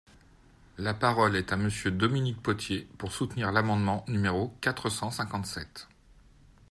La parole est à Monsieur Dominique Potier, pour soutenir l’amendement numéro quatre cent cinquante-sept.